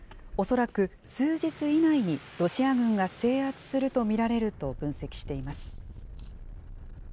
恐らく数日以内にロシア軍が制圧すると見られると分析しています。